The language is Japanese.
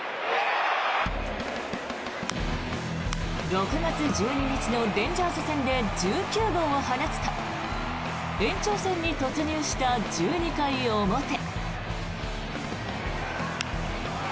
６月１２日のレンジャーズ戦で１９号を放つと延長戦に突入した１２回表。